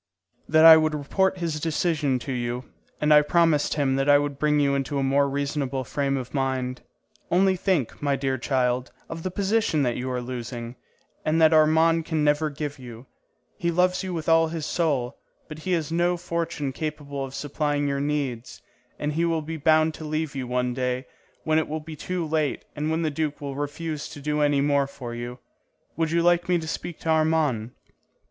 "That I would report his decision to you, and I promised him that I would bring you into a more reasonable frame of mind. Only think, my dear child, of the position that you are losing, and that Armand can never give you. He loves you with all his soul, but he has no fortune capable of supplying your needs, and he will be bound to leave you one day, when it will be too late and when the duke will refuse to do any more for you. Would you like me to speak to Armand?"